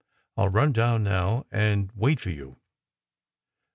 "I ll run down now and wait for you."